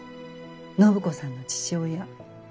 暢子さんの父親。